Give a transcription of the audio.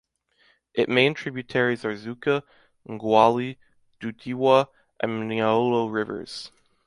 It main tributaries are Xuka, Mgwali, Dutywa and Mnyolo rivers.